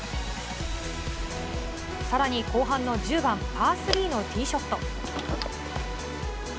さらに後半の１０番パー３のティーショット。